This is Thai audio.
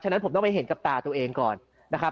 ฉะผมต้องไปเห็นกับตาตัวเองก่อนนะครับ